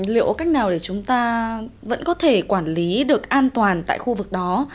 liệu cách nào để chúng ta vẫn có thể quản lý được an toàn tại khu vực đó